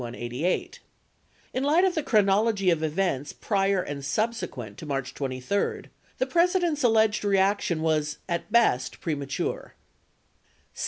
4B In light of the chronology of events prior and subsequent to March 23, the President's alleged reaction was, at best, premature.